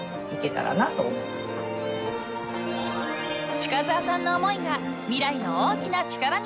［近澤さんの思いが未来の大きな力に］